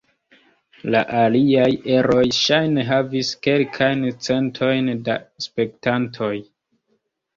La aliaj eroj ŝajne havis kelkajn centojn da spektantoj.